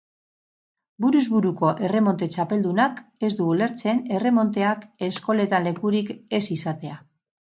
Buruz buruko erremonte txapeldunak ez du ulertzen erremonteak eskoletan lekurik ez izatea.